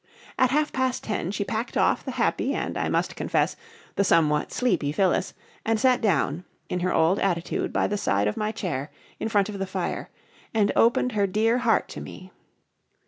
At half past ten she packed off the happy and, I must confess, the somewhat sleepy Phyllis, and sat down, in her old attitude by the side of my chair, in front of the fire, and opened her dear heart to me.